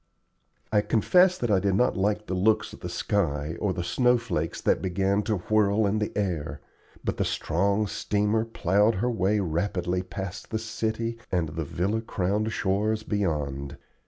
I confess that I did not like the looks of the sky or of the snow flakes that began to whirl in the air, but the strong steamer plowed her way rapidly past the city and the villa crowned shores beyond.